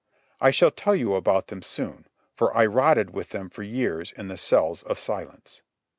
I shall tell you about them soon, for I rotted with them for years in the cells of silence.